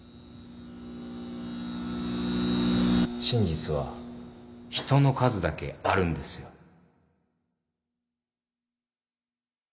真実は人の数だけあるんですよ